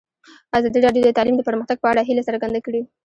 ازادي راډیو د تعلیم د پرمختګ په اړه هیله څرګنده کړې.